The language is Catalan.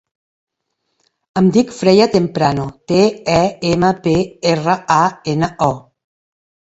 Em dic Freya Temprano: te, e, ema, pe, erra, a, ena, o.